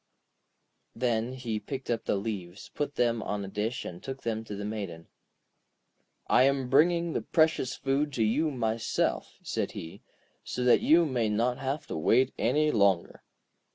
Then he picked up the leaves, put them on a dish, and took them to the Maiden. 'I am bringing the precious food to you myself,' said he, 'so that you may not have to wait any longer.'